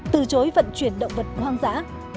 từ chối vận chuyển động vật hoang dã